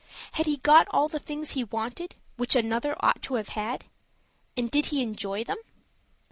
Had he got all the things he wanted, which another ought to have had? And did he enjoy them?